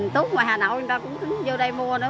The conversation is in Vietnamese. tốt mà hà nội người ta cũng cứ vô đây mua nữa